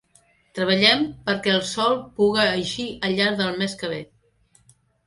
Treballem perquè el sol puga eixir al llarg del mes que ve.